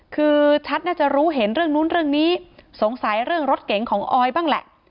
คือชัดน่าจะรู้เห็นเรื่องนู้นเรื่องนี้สงสัยเรื่องรถเก๋งของออยบ้างแหละ